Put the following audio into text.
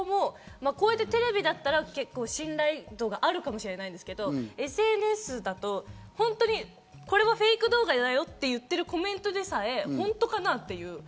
テレビだったら信頼度があるかもしれないけどＳＮＳだと、これはフェイク動画だよって言ってるコメントでさえ本当かな？っていう。